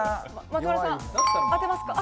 松丸さん、当てますか？